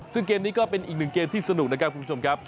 ซึ่งเกมนี้ก็เป็นอีกหนึ่งเกมที่สนุกนะครับคุณผู้ชมครับ